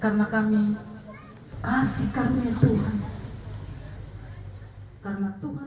karena kami kasihkan tuhan